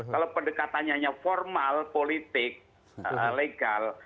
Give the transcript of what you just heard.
kalau pendekatannya hanya formal politik legal